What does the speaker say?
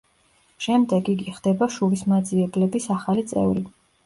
შემდეგ იგი ხდება შურისმაძიებლების ახალი წევრი.